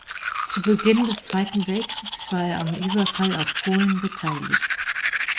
Zu Beginn des Zweiten Weltkriegs war er am Überfall auf Polen beteiligt.